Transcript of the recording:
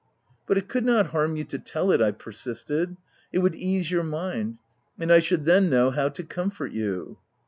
" But it could not harm you to tell it/' I persisted :" it would ease your mind ; and I should then know how to comfort you."